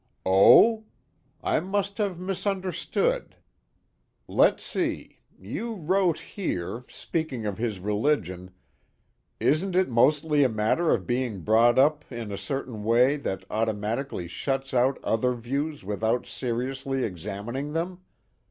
"Oh? I must have misunderstood. Let's see you wrote here, speaking of his religion: 'Isn't it mostly a matter of being brought up in a certain way that automatically shuts out other views without seriously examining them?